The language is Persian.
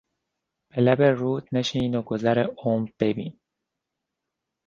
به لب رود نشین و گذر عمر ببین